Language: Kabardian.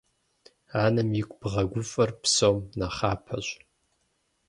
Анэм игу бгъэгуфӏэр псом нэхъапэщ.